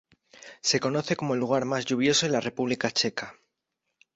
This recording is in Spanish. Se conoce como el lugar más lluvioso en la República Checa.